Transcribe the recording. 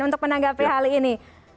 untuk menanggapi hal ini